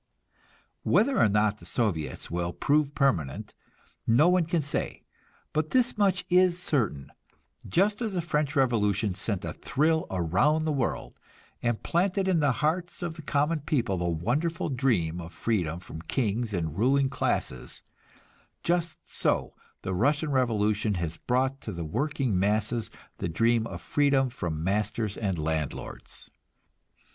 Whether or not the Soviets will prove permanent, no one can say. But this much is certain; just as the French revolution sent a thrill around the world, and planted in the hearts of the common people the wonderful dream of freedom from kings and ruling classes, just so the Russian revolution has brought to the working masses the dream of freedom from masters and landlords.